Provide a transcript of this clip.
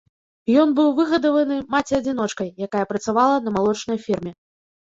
Ён быў выгадаваны маці-адзіночкай, якая працавала на малочнай ферме.